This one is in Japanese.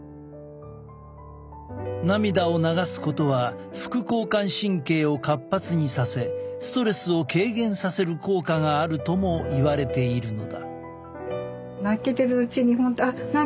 涙を流すことは副交感神経を活発にさせストレスを軽減させる効果があるともいわれているのだ。